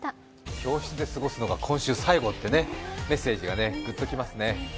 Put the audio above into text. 教室で過ごすのが今日が最後というメッセージがグッときますね。